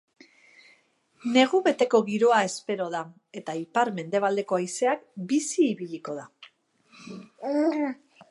Negu beteko giroa espero da eta ipar-mendebaldeko haizeak bizi ibiliko da.